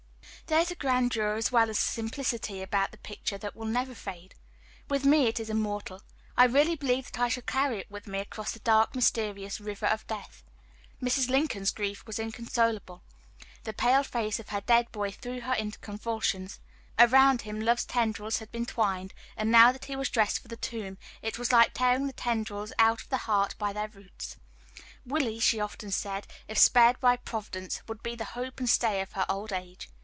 There is a grandeur as well as a simplicity about the picture that will never fade. With me it is immortal I really believe that I shall carry it with me across the dark, mysterious river of death. Mrs. Lincoln's grief was inconsolable. The pale face of her dead boy threw her into convulsions. Around him love's tendrils had been twined, and now that he was dressed for the tomb, it was like tearing the tendrils out of the heart by their roots. Willie, she often said, if spared by Providence, would be the hope and stay of her old age.